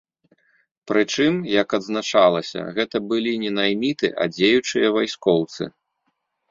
Прычым, як адзначалася, гэта былі не найміты, а дзеючыя вайскоўцы.